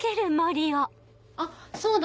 あっそうだ